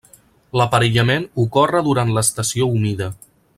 L'aparellament ocorre durant l'estació humida.